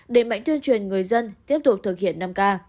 để mạnh tuyên truyền người dân tiếp tục thực hiện năm k